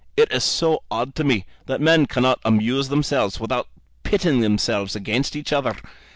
It is so odd to me that men cannot amuse themselves without pitting themselves against each other.